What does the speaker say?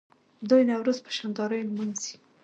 دوی نوروز په شاندارۍ لمانځي.